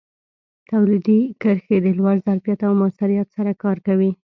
تولیدي کرښې د لوړ ظرفیت او موثریت سره کار کوي.